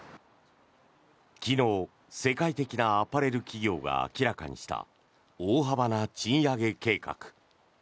昨日、世界的なアパレル企業が明らかにした大幅な賃上げ計画。